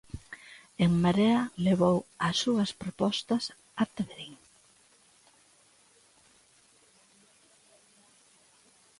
En Marea levou as súas propostas ata Verín.